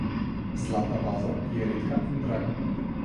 Zlata vaza je redka in draga.